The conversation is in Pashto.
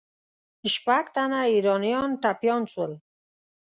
شپږ تنه ایرانیان ټپیان سول.